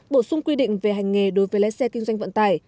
bổ sung quy định về hành nghề đối với lái xe kinh doanh vận tải